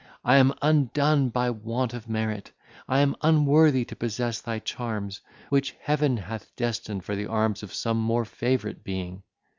I am undone by want of merit; I am unworthy to possess thy charms, which heaven hath destined for the arms of some more favourite being."